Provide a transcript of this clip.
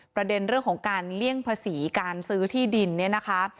ประเด็นเรื่องของการเลี่ยงภาษีการซื้อที่ดินเนี่ยนะคะ